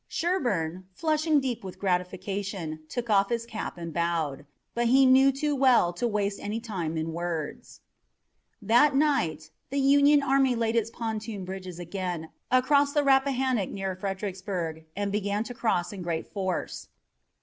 Sherburne, flushing deep with gratification, took off his cap and bowed. But he knew too well to waste any time in words. That night the Union army laid its pontoon bridges again across the Rappahannock near Fredericksburg and began to cross in great force.